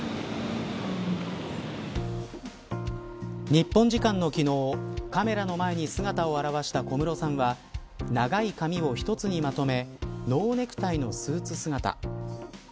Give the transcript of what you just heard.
日本時間の昨日カメラの前に姿を現した小室さんは長い髪を一つにまとめノーネクタイのスーツ姿。